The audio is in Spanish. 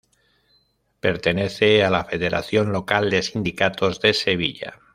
Pertenece a la federación local de sindicatos de Sevilla.